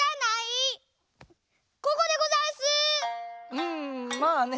うんまあね